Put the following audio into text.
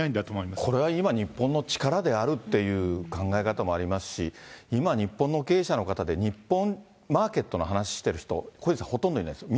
だからこれが今の日本の力であるっていう考え方もありますし、今、日本の経営者の方で日本マーケットの話してる人、小西さん、ほとんどないんです。